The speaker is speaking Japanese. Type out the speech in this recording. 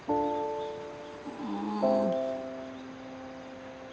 うん。